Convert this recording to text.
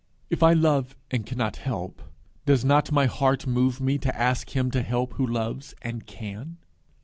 If I love and cannot help, does not my heart move me to ask him to help who loves and can?